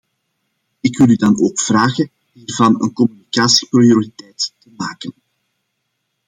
Ik wil u dan ook vragen hiervan een communicatieprioriteit te maken.